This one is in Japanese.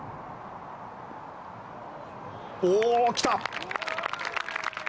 おお、来た！